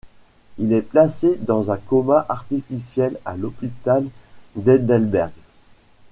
Il est placé dans un coma artificiel à l'hôpital d'Heidelberg.